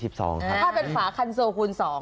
ถ้าเป็นฝาคันโซคูณ๒